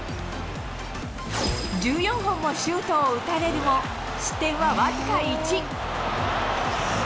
１４本もシュートを打たれるも、失点は僅か１。